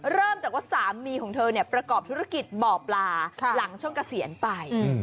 เริ่มจากว่าสามีของเธอเนี่ยประกอบธุรกิจบ่อปลาหลังช่วงเกษียณไป